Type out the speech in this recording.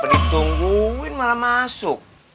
lain lain ditungguin malah masuk